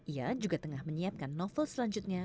ia juga tengah menyiapkan novel selanjutnya